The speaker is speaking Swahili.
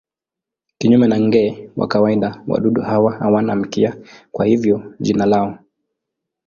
Kinyume na nge wa kawaida wadudu hawa hawana mkia, kwa hivyo jina lao.